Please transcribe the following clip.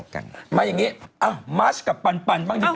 ใช่มาพูดค่ะร้อเปล่าใช่ไหม